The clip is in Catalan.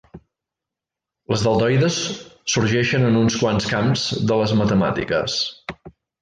Les deltoides sorgeixen en uns quants camps de les matemàtiques.